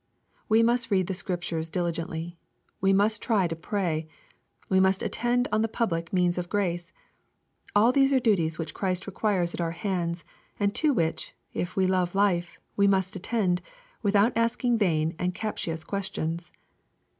We must read the Scriptures diligently. We must try to pray. We must attend on the public means of grace. All these are duties vhich Christ requires at our hands, and to which, if we love life, we must attend, without asking vain and captious questions.